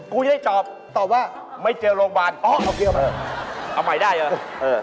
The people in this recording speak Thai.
กูจะได้ตอบตอบว่าไม่เจอโรงพยาบาลอ๋อเอาใหม่ได้เหรอเออ